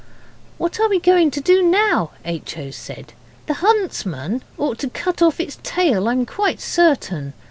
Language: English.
'What are we going to do now?' H. O. said; 'the huntsman ought to cut off its tail, I'm quite certain.